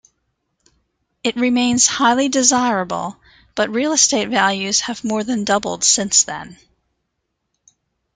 It remains highly desirable but real estate values have more than doubled since then.